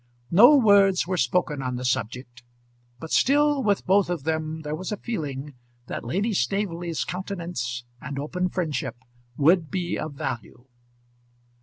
No words were spoken on the subject; but still with both of them there was a feeling that Lady Staveley's countenance and open friendship would be of value.